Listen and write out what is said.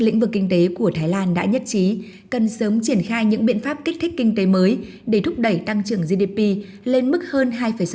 lĩnh vực kinh tế của thái lan đã nhất trí cần sớm triển khai những biện pháp kích thích kinh tế mới để thúc đẩy tăng trưởng gdp lên mức hơn hai sáu